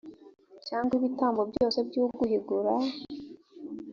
cyangwa ibitambo byose by’uguhigura,